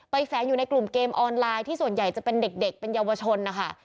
แฝงอยู่ในกลุ่มเกมออนไลน์ที่ส่วนใหญ่จะเป็นเด็กเป็นเยาวชนนะคะ